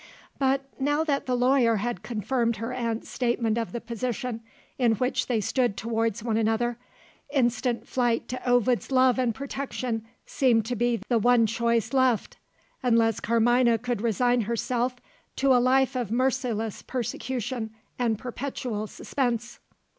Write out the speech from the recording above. But now that the lawyer had confirmed her aunt's statement of the position in which they stood towards one another, instant flight to Ovid's love and protection seemed to be the one choice left unless Carmina could resign herself to a life of merciless persecution and perpetual suspense.